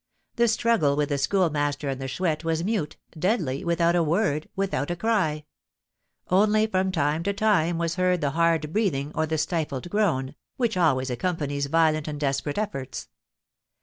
The struggle with the Schoolmaster and the Chouette was mute, deadly, without a word, without a cry; only from time to time was heard the hard breathing, or the stifled groan, which always accompanies violent and desperate efforts.